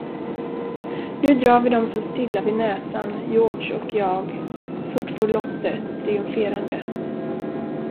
Nu drar vi dem så stilla vid näsan, Georg och jag, fortfor Lotte, triumferande.